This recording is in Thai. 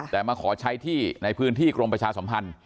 แต่มาขอใช้ที่ในพื้นที่กรมประชาสัมพันธ์